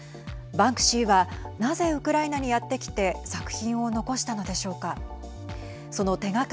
バンクシーはなぜウクライナにやって来て作品を残したのでしょうか。